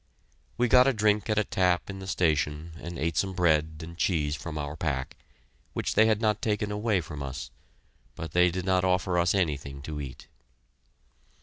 We got a drink at a tap in the station and ate some bread and cheese from our pack, which they had not taken away from us, but they did not offer us anything to eat.